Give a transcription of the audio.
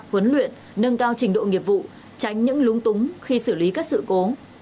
huấn luyện nâng cao trình độ nghiệp vụ tránh những lúng túng khi xử lý các sự cố